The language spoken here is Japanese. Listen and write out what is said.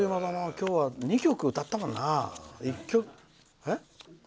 今日は２曲歌ったもんな。